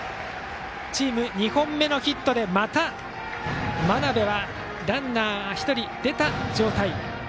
チーム２本目のヒットでまた真鍋はランナーが１人出た状態。